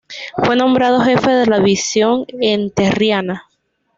Fue nombrado jefe de la división entrerriana.